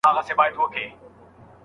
کورنی نظام بې مسئولیتونو نه جوړیږي.